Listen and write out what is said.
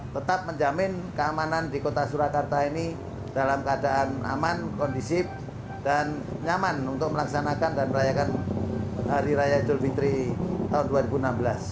tetap menjamin keamanan di kota surakarta ini dalam keadaan aman kondisif dan nyaman untuk melaksanakan dan merayakan hari raya idul fitri tahun dua ribu enam belas